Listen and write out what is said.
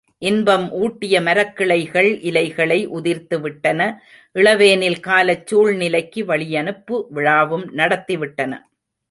இன்பம் ஊட்டிய மரக்கிளைகள் இலைகளை உதிர்த்து விட்டன இளவேனில் காலச் சூழ்நிலைக்கு வழியனுப்பு விழாவும் நடத்தி விட்டன.